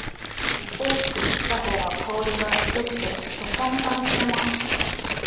大きく切った方が香りがよくて食感も楽しめます。